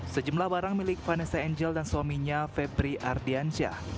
sejumlah barang milik vanessa angel dan suaminya febri ardiansyah